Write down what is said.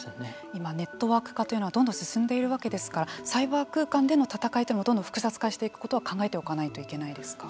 今ネットワーク化というのはどんどん進んでいるわけですからサイバー空間での戦いというのもどんどん複雑化していくことは考えておかないといけないですか。